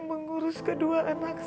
mengurus kedua anak saya